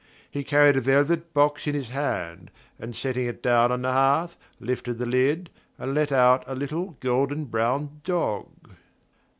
He carried a velvet box in his hand and, setting it down on the hearth, lifted the lid and let out a little golden brown dog.